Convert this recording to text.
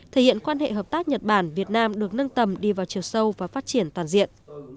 thể hiện quan hệ hợp tác nhật bản việt nam được nâng tầm đi vào chiều sâu và phát triển toàn diện